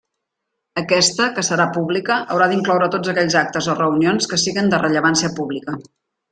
Aquesta, que serà pública, haurà d'incloure tots aquells actes o reunions que siguen de rellevància pública.